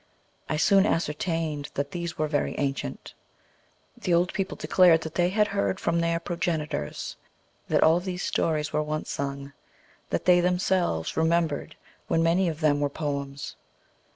I soon ascertained that these were very ancient. The old people declared that they had heard from their progenitors that all of these stories were once sung; that they themselves remembered when many of them were poems.